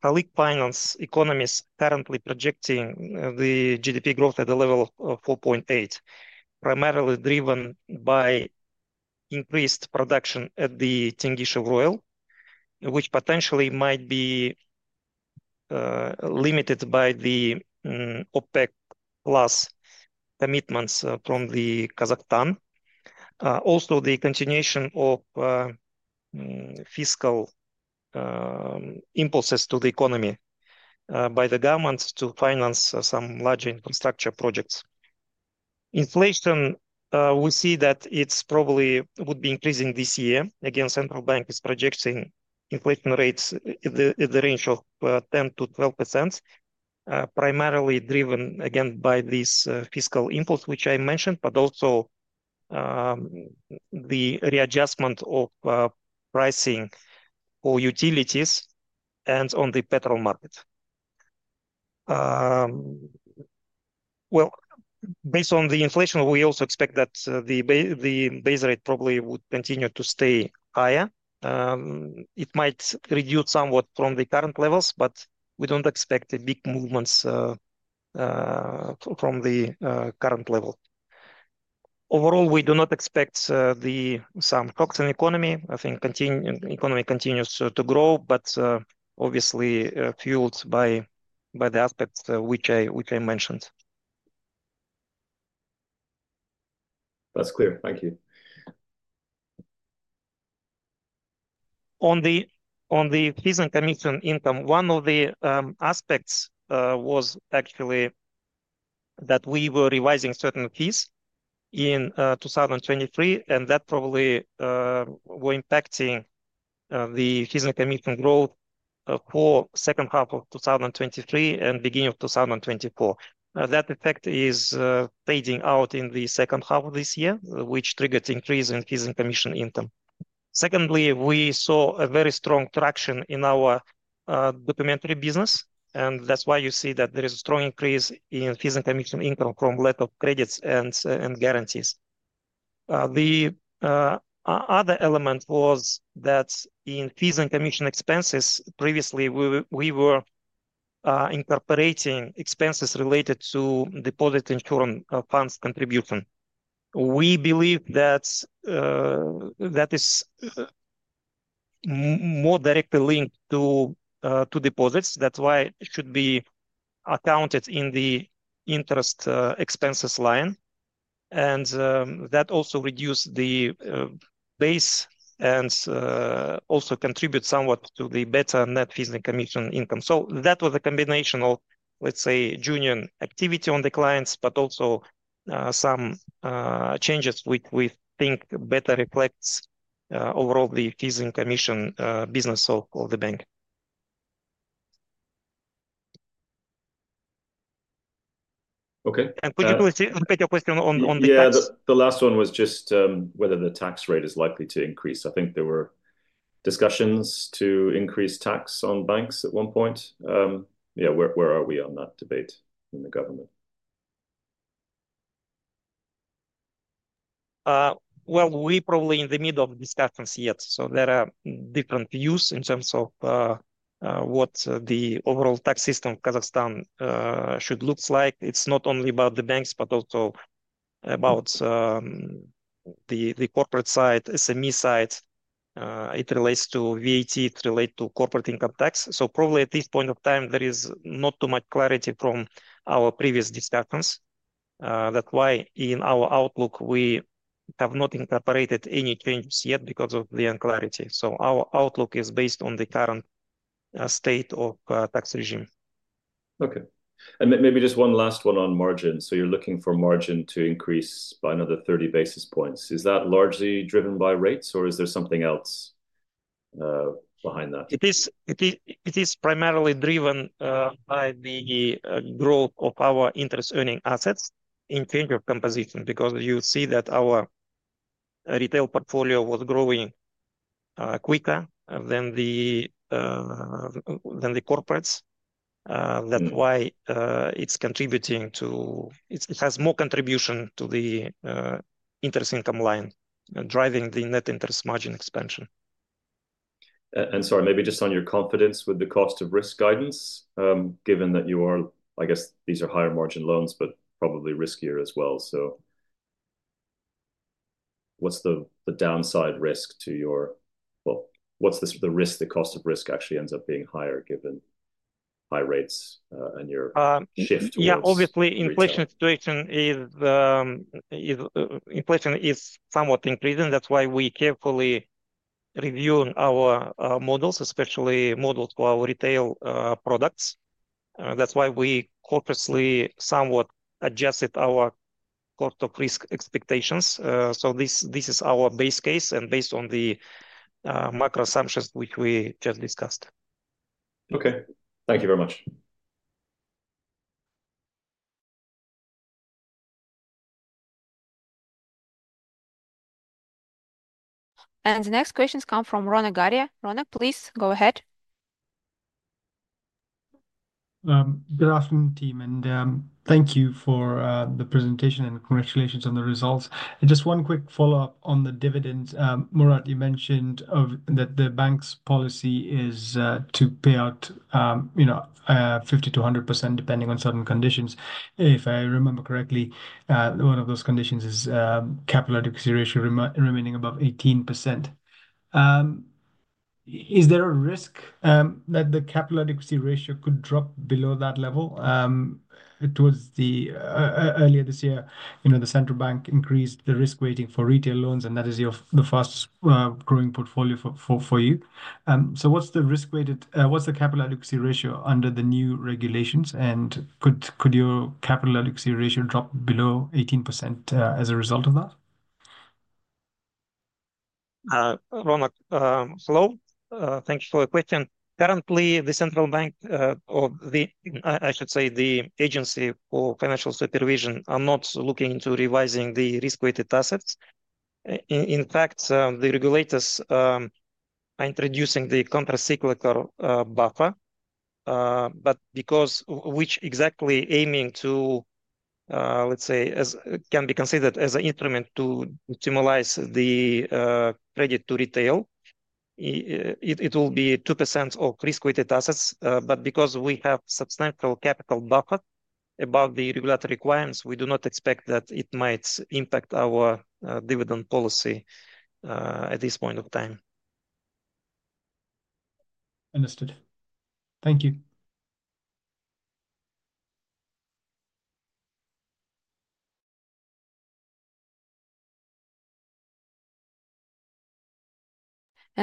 colleague finance economists currently projecting the GDP growth at a level of 4.8%, primarily driven by increased production at the Tengizchevroil, which potentially might be limited by the OPEC Plus commitments from Kazakhstan. Also, the continuation of fiscal impulses to the economy by the government to finance some larger infrastructure projects. Inflation, we see that it probably would be increasing this year. Again, the Central Bank is projecting inflation rates in the range of 10-12%, primarily driven again by this fiscal impulse, which I mentioned, but also the readjustment of pricing for utilities and on the petrol market. Based on the inflation, we also expect that the base rate probably would continue to stay higher. It might reduce somewhat from the current levels, but we do not expect big movements from the current level. Overall, we do not expect some shocks in the economy. I think the economy continues to grow, obviously fueled by the aspects which I mentioned. That's clear. Thank you. On the fees and commission income, one of the aspects was actually that we were revising certain fees in 2023, and that probably was impacting the fees and commission growth for the second half of 2023 and beginning of 2024. That effect is fading out in the second half of this year, which triggered an increase in fees and commission income. Secondly, we saw a very strong traction in our documentary business, and that's why you see that there is a strong increase in fees and commission income from lack of credits and guarantees. The other element was that in fees and commission expenses, previously, we were incorporating expenses related to deposit insurance funds contribution. We believe that that is more directly linked to deposits. That's why it should be accounted in the interest expenses line. That also reduced the base and also contributed somewhat to the better net fees and commission income. That was a combination of, let's say, joint activity on the clients, but also some changes which we think better reflects overall the fees and commission business of the bank. Okay. Could you please repeat your question on the tax? Yeah. The last one was just whether the tax rate is likely to increase. I think there were discussions to increase tax on banks at one point. Yeah. Where are we on that debate in the government? We're probably in the middle of discussions yet. There are different views in terms of what the overall tax system of Kazakhstan should look like. It's not only about the banks, but also about the corporate side, SME side. It relates to VAT, it relates to corporate income tax. Probably at this point of time, there is not too much clarity from our previous discussions. That's why in our outlook, we have not incorporated any changes yet because of the unclarity. Our outlook is based on the current state of tax regime. Okay. Maybe just one last one on margin. You're looking for margin to increase by another 30 basis points. Is that largely driven by rates, or is there something else behind that? It is primarily driven by the growth of our interest-earning assets in terms of composition because you see that our retail portfolio was growing quicker than the corporates. That is why it is contributing to it has more contribution to the interest income line, driving the net interest margin expansion. Sorry, maybe just on your confidence with the cost of risk guidance, given that you are, I guess, these are higher margin loans, but probably riskier as well. What is the downside risk to your—well, what is the risk, the cost of risk actually ends up being higher given high rates and your shift towards? Yeah. Obviously, inflation situation is—inflation is somewhat increasing. That's why we carefully review our models, especially models for our retail products. That's why we cautiously somewhat adjusted our cost of risk expectations. This is our base case and based on the macro assumptions which we just discussed. Okay. Thank you very much. The next questions come from Ronak. Ronak, please go ahead. Good afternoon, team. Thank you for the presentation and congratulations on the results. Just one quick follow-up on the dividends. Murat, you mentioned that the bank's policy is to pay out 50-100% depending on certain conditions. If I remember correctly, one of those conditions is capital adequacy ratio remaining above 18%. Is there a risk that the capital adequacy ratio could drop below that level? Earlier this year, the Central Bank increased the risk weighting for retail loans, and that is the fastest growing portfolio for you. What is the risk weighted—what is the capital adequacy ratio under the new regulations? Could your capital adequacy ratio drop below 18% as a result of that? Ronak, hello. Thank you for the question. Currently, the Central Bank, or I should say the agency for financial supervision, are not looking into revising the risk-weighted assets. In fact, the regulators are introducing the countercyclical buffer, but which exactly aiming to, let's say, can be considered as an instrument to minimize the credit to retail. It will be 2% of risk-weighted assets. Because we have substantial capital buffer above the regulatory requirements, we do not expect that it might impact our dividend policy at this point of time. Understood. Thank you.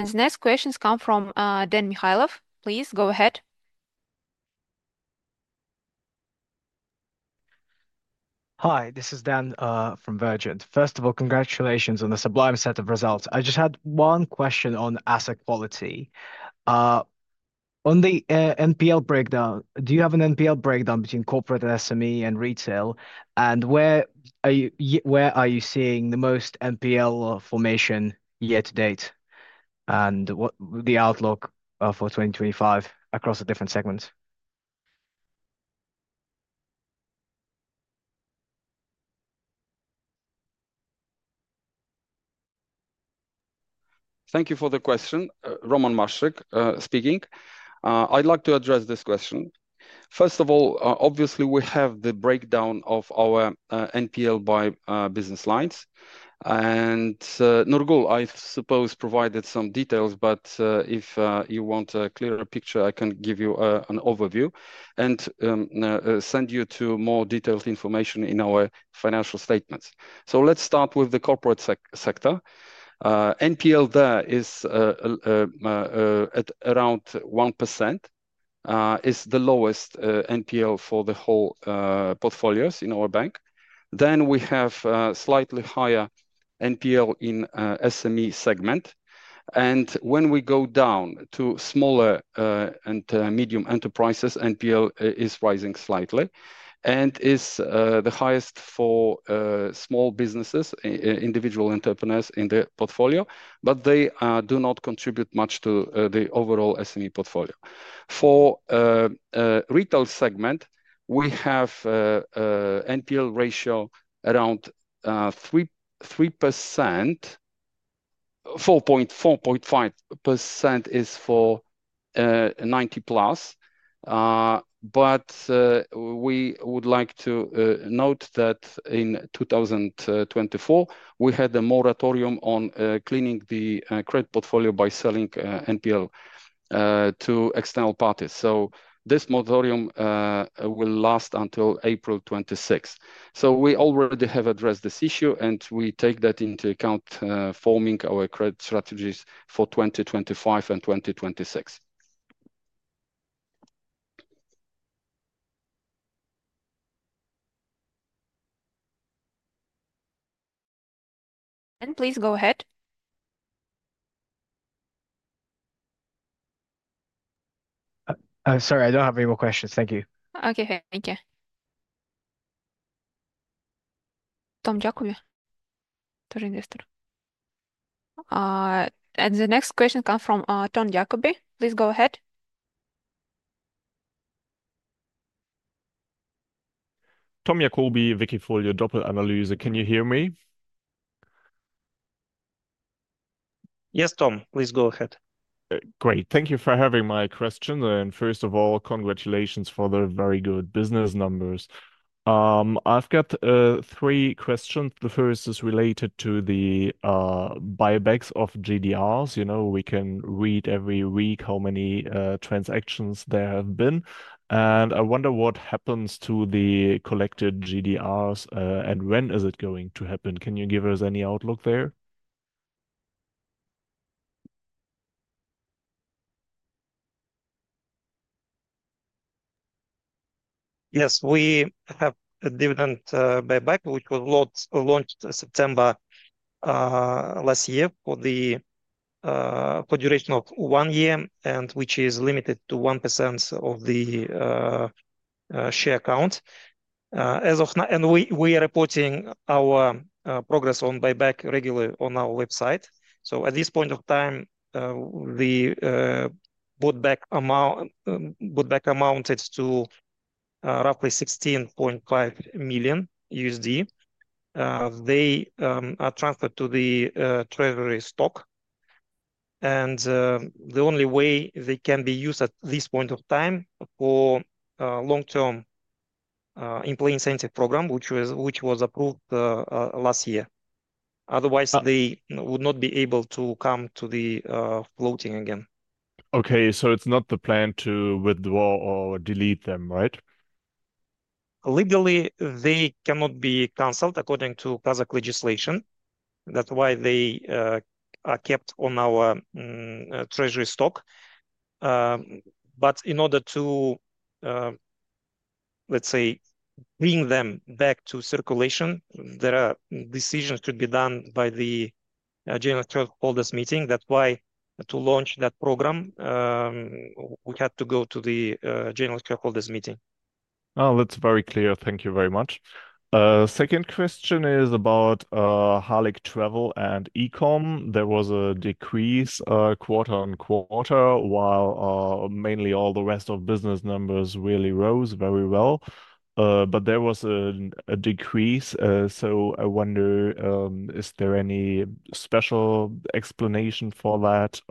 The next questions come from Dan Mikhaylov. Please go ahead. Hi, this is Dan from Vergent. First of all, congratulations on the sublime set of results. I just had one question on asset quality. On the NPL breakdown, do you have an NPL breakdown between corporate and SME and retail? Where are you seeing the most NPL formation year-to-date? What is the outlook for 2025 across the different segments? Thank you for the question. Roman Maszczyk speaking. I'd like to address this question. First of all, obviously, we have the breakdown of our NPL by business lines. Nurgul, I suppose, provided some details, but if you want a clearer picture, I can give you an overview and send you to more detailed information in our financial statements. Let's start with the corporate sector. NPL there is at around 1%, is the lowest NPL for the whole portfolios in our bank. We have a slightly higher NPL in SME segment. When we go down to smaller and medium enterprises, NPL is rising slightly and is the highest for small businesses, individual entrepreneurs in the portfolio, but they do not contribute much to the overall SME portfolio. For retail segment, we have an NPL ratio around 3%. 4.5% is for 90+. We would like to note that in 2024, we had a moratorium on cleaning the credit portfolio by selling NPL to external parties. This moratorium will last until April 26. We already have addressed this issue, and we take that into account forming our credit strategies for 2025 and 2026. Please go ahead. Sorry, I don't have any more questions. Thank you. Okay. Thank you. The next question comes from Tom Jakobi. Please go ahead. Tom Jakobi, Wikifolio Doppel Analyse. Can you hear me? Yes, Tom, please go ahead. Great. Thank you for having my question. First of all, congratulations for the very good business numbers. I've got three questions. The first is related to the buybacks of GDRs. We can read every week how many transactions there have been. I wonder what happens to the collected GDRs, and when is it going to happen? Can you give us any outlook there? Yes, we have a dividend buyback, which was launched September last year for the duration of one year, and which is limited to 1% of the share count. We are reporting our progress on buyback regularly on our website. At this point of time, the bought-back amount is roughly $16.5 million. They are transferred to the Treasury stock. The only way they can be used at this point of time is for long-term employee incentive program, which was approved last year. Otherwise, they would not be able to come to the floating again. Okay. So it's not the plan to withdraw or delete them, right? Legally, they cannot be canceled according to Kazakh legislation. That is why they are kept on our Treasury stock. In order to, let's say, bring them back to circulation, there are decisions to be done by the General Shareeholders' Meeting. That is why to launch that program, we had to go to the General Shareholders' Meeting. Oh, that's very clear. Thank you very much. Second question is about Halyk Travel and E-Com. There was a decrease quarter on quarter while mainly all the rest of business numbers really rose very well. There was a decrease. I wonder, is there any special explanation for that?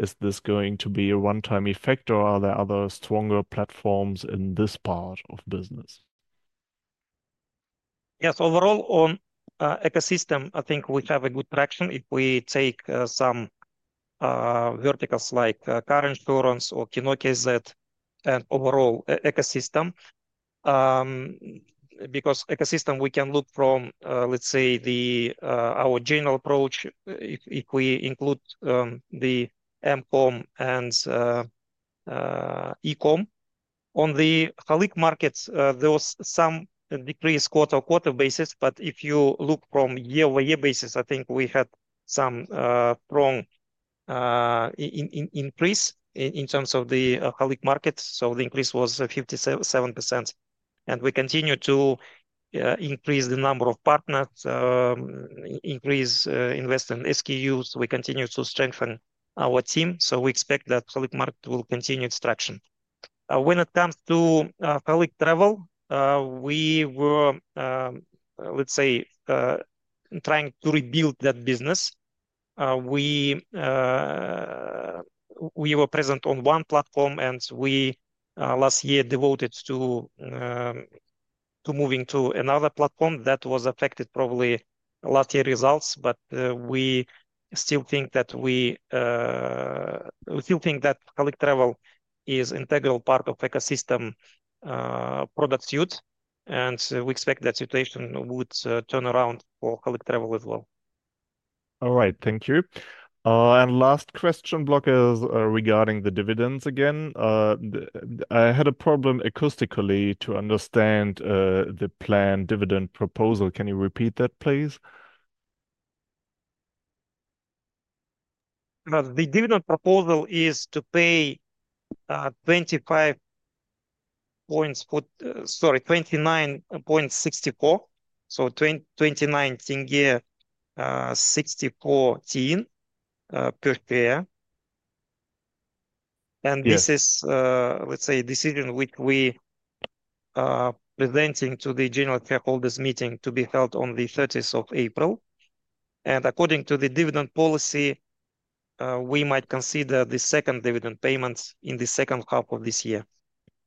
Is this going to be a one-time effect, or are there other stronger platforms in this part of business? Yes. Overall, on ecosystem, I think we have a good traction if we take some verticals like car insurance or Kino.kz and overall ecosystem. Because ecosystem, we can look from, let's say, our general approach if we include the M-Com and E-Com. On the Halyk Market, there was some decrease quarter-on-quarter basis. If you look from year-over-year basis, I think we had some strong increase in terms of the Halyk Market. The increase was 57%. We continue to increase the number of partners, increase investment SKUs. We continue to strengthen our team. We expect that Halyk Market will continue its traction. When it comes to Halyk Travel, we were, let's say, trying to rebuild that business. We were present on one platform, and we last year devoted to moving to another platform that was affected probably last year's results. We still think that Halyk Travel is an integral part of ecosystem product suite. We expect that situation would turn around for Halyk Travel as well. All right. Thank you. Last question block is regarding the dividends again. I had a problem acoustically to understand the planned dividend proposal. Can you repeat that, please? The dividend proposal is to pay KZT 29.64, so KZT 29.64 per share. This is, let's say, a decision which we are presenting to the General Stakeholders Meeting to be held on the 30th of April. According to the dividend policy, we might consider the second dividend payments in the second half of this year.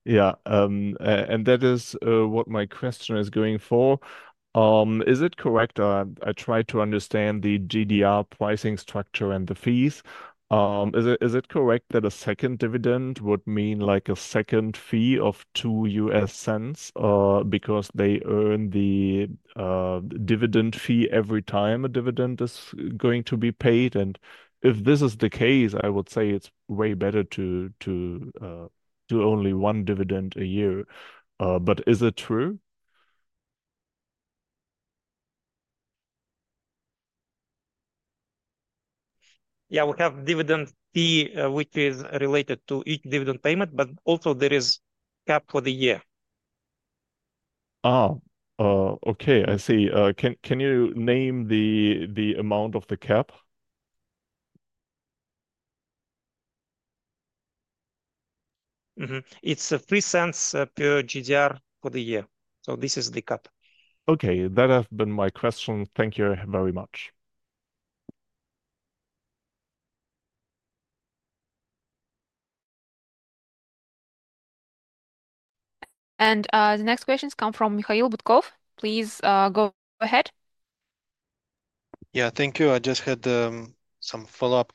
Yeah. That is what my question is going for. Is it correct? I try to understand the GDR pricing structure and the fees. Is it correct that a second dividend would mean a second fee of $0.02 because they earn the dividend fee every time a dividend is going to be paid? If this is the case, I would say it's way better to do only one dividend a year. Is it true? Yeah. We have dividend fee, which is related to each dividend payment, but also there is cap for the year. Oh, okay. I see. Can you name the amount of the cap? It is $0.03 per GDR for the year. This is the cap. Okay. That has been my question. Thank you very much. The next questions come from Mikhail Butkov. Please go ahead. Yeah, thank you. I just had some follow-up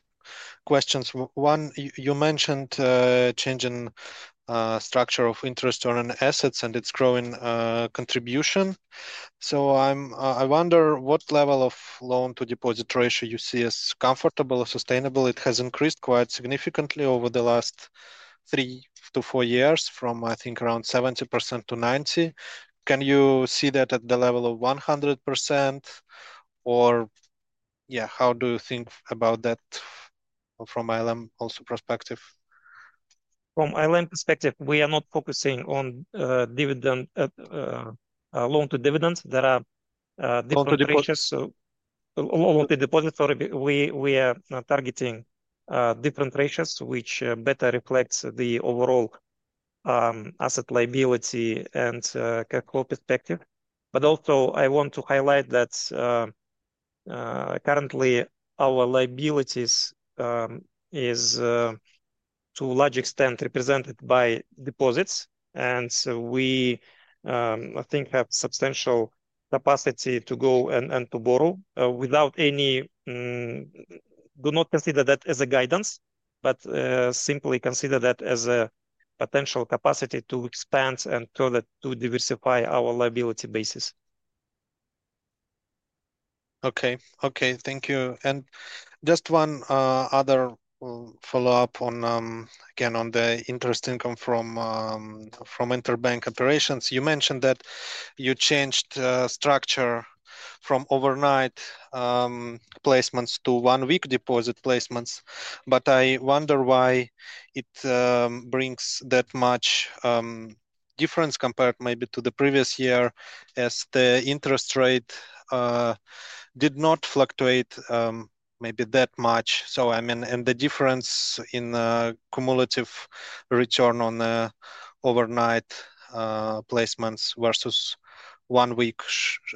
questions. One, you mentioned changing structure of interest on assets and its growing contribution. I wonder what level of loan-to-deposit ratio you see as comfortable or sustainable. It has increased quite significantly over the last three to four years from, I think, around 70% to 90%. Can you see that at the level of 100%? Yeah, how do you think about that from ALM also perspective? From ALM perspective, we are not focusing on loan-to-dividend. There are different ratios. Loan-to-dividend? Loan-to-deposit, sorry. We are targeting different ratios, which better reflects the overall asset liability and cash flow perspective. Also, I want to highlight that currently our liabilities are to a large extent represented by deposits. We, I think, have substantial capacity to go and to borrow without any—do not consider that as a guidance, but simply consider that as a potential capacity to expand and further diversify our liability basis. Okay. Okay. Thank you. Just one other follow-up, again, on the interest income from interbank operations. You mentioned that you changed structure from overnight placements to one-week deposit placements. I wonder why it brings that much difference compared maybe to the previous year as the interest rate did not fluctuate maybe that much. I mean, and the difference in cumulative return on overnight placements versus one week,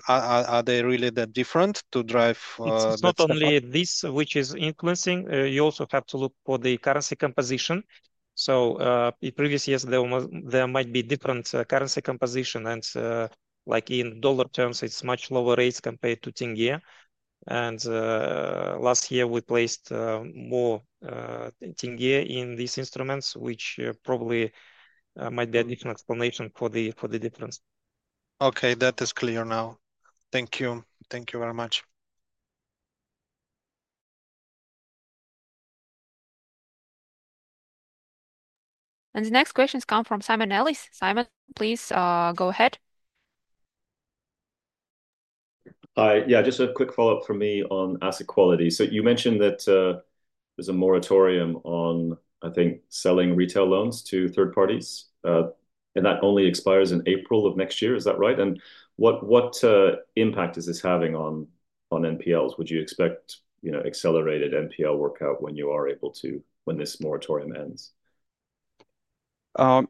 are they really that different to drive? It's not only this, which is influencing. You also have to look for the currency composition. In previous years, there might be different currency composition. In dollar terms, it's much lower rates compared to tenge. Last year, we placed more tenge in these instruments, which probably might be a different explanation for the difference. Okay. That is clear now. Thank you. Thank you very much. The next questions come from Simon Nellis. Simon, please go ahead. Hi. Yeah, just a quick follow-up from me on asset quality. You mentioned that there's a moratorium on, I think, selling retail loans to third parties. That only expires in April of next year. Is that right? What impact is this having on NPLs? Would you expect accelerated NPL work when you are able to, when this moratorium ends?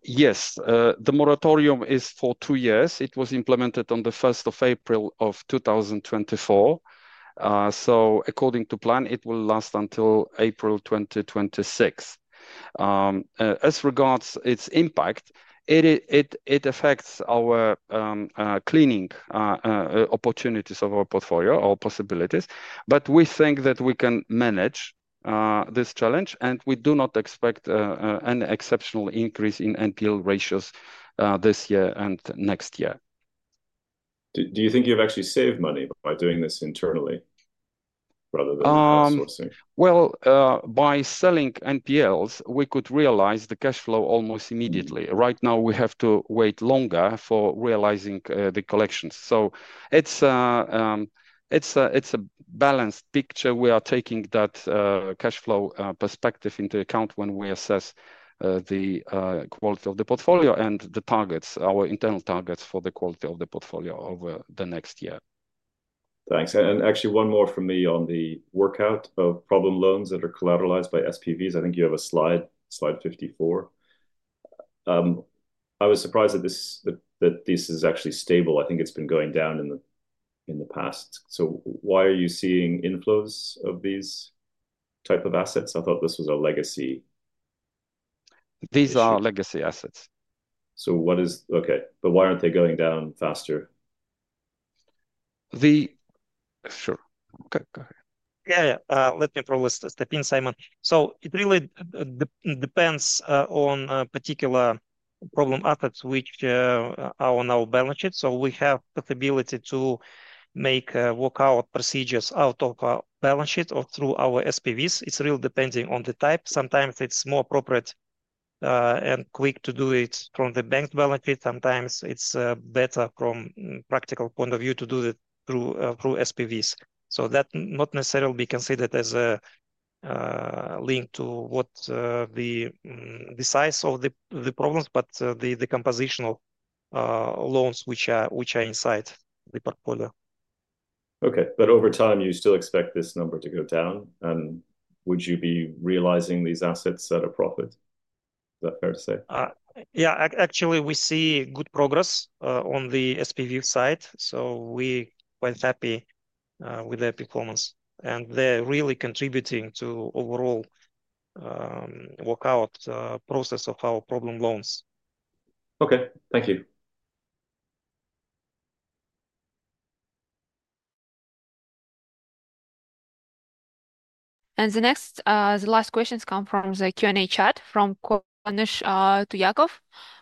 Yes. The moratorium is for two years. It was implemented on the 1st of April of 2024. According to plan, it will last until April 2026. As regards its impact, it affects our cleaning opportunities of our portfolio, our possibilities. We think that we can manage this challenge. We do not expect an exceptional increase in NPL ratios this year and next year. Do you think you've actually saved money by doing this internally rather than outsourcing? By selling NPLs, we could realize the cash flow almost immediately. Right now, we have to wait longer for realizing the collections. It is a balanced picture. We are taking that cash flow perspective into account when we assess the quality of the portfolio and the targets, our internal targets for the quality of the portfolio over the next year. Thanks. Actually, one more from me on the workout of problem loans that are collateralized by SPVs. I think you have a slide, slide 54. I was surprised that this is actually stable. I think it's been going down in the past. Why are you seeing inflows of these types of assets? I thought this was a legacy. These are legacy assets. What is okay. But why aren't they going down faster? Sure. Go ahead. Yeah. Let me probably step in, Simon. It really depends on particular problem assets which are on our balance sheet. We have the possibility to make workout procedures out of our balance sheet or through our SPVs. It is really depending on the type. Sometimes it is more appropriate and quick to do it from the bank's balance sheet. Sometimes it is better from a practical point of view to do it through SPVs. That not necessarily will be considered as a link to the size of the problems, but the compositional loans which are inside the portfolio. Okay. Over time, you still expect this number to go down. Would you be realizing these assets at a profit? Is that fair to say? Yeah. Actually, we see good progress on the SPV side. We are quite happy with their performance. They are really contributing to the overall workout process of our problem loans. Okay. Thank you. The last questions come from the Q&A chat from Kuanysh Tuyakov.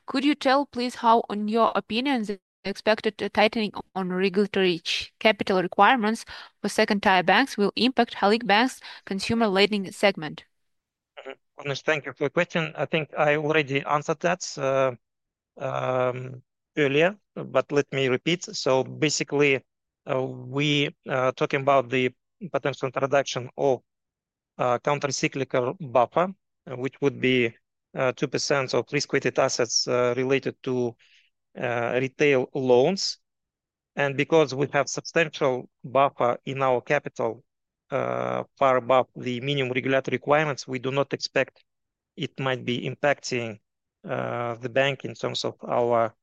Could you tell, please, how, in your opinion, the expected tightening on regulatory capital requirements for second-tier banks will impact Halyk Bank's consumer lending segment? Kuanysh, thank you for the question. I think I already answered that earlier, but let me repeat. Basically, we are talking about the potential introduction of countercyclical buffer, which would be 2% of risk-weighted assets related to retail loans. Because we have substantial buffer in our capital far above the minimum regulatory requirements, we do not expect it might be impacting the bank in terms of our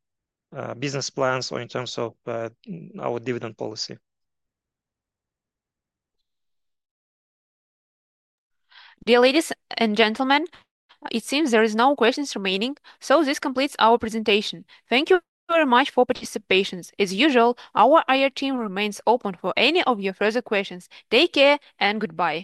business plans or in terms of our dividend policy. Dear ladies and gentlemen, it seems there are no questions remaining. This completes our presentation. Thank you very much for participation. As usual, our IR team remains open for any of your further questions. Take care and goodbye.